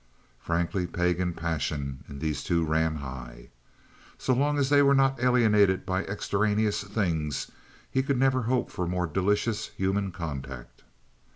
Frankly, pagan passion in these two ran high. So long as they were not alienated by extraneous things he could never hope for more delicious human contact.